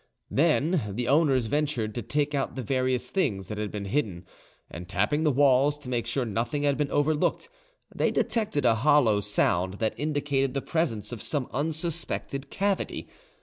Then the owners ventured to take out the various things that had been hidden; and tapping the walls, to make sure nothing had been overlooked, they detected a hollow sound that indicated the presence of some unsuspected cavity.